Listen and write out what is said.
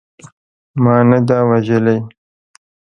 ما نه ده وژلې.